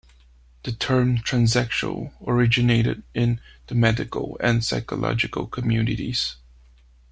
The term "transsexual" originated in the medical and psychological communities.